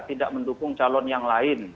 tidak mendukung calon yang lain